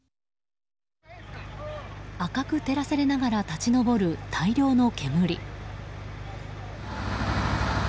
赤く照らされながら立ち上る大量の煙。